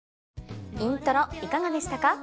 『イントロ』いかがでしたか？